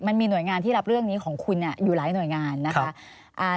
มันมีหน่วยงานที่รับเรื่องนี้ของคุณอยู่หลายหน่วยงานนะคะ